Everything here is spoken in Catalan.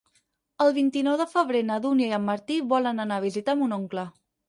El vint-i-nou de febrer na Dúnia i en Martí volen anar a visitar mon oncle.